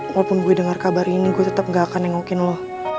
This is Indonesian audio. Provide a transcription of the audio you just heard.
walaupun gue denger kabar ini gue tetep gak akan nengokin lo